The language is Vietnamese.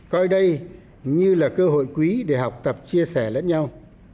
coi đây như là cơ hội quý để học tập chia sẻ lẫn nhau